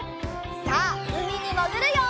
さあうみにもぐるよ！